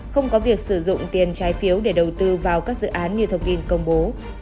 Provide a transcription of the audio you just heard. không có việc sử dụng tiền trái phiếu để đầu tư vào các dự án như thông tin công bố